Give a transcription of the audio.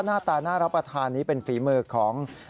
หน้าตาน่ารับประทานนี้เป็นฝีมือของ